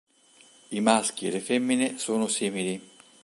I maschi e le femmine sono simili.